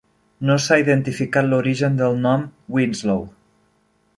No s'ha identificat l'origen del nom Winslow.